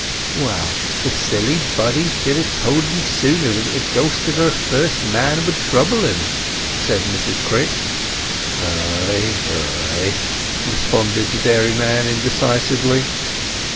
"Well, the silly body should have told en sooner that the ghost of her first man would trouble him," said Mrs Crick. "Ay, ay," responded the dairyman indecisively.